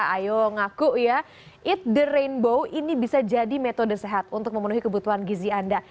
ayo ngaku ya it the rainbow ini bisa jadi metode sehat untuk memenuhi kebutuhan gizi anda